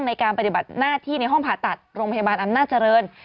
ในการปฏิบัติหน้าที่ในห้องผ่าตัดโรงพยาบาลอำนาจเจริญ